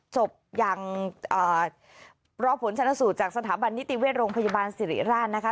ศพอย่างรอผลชนสูตรจากสถาบันนิติเวชโรงพยาบาลสิริราชนะคะ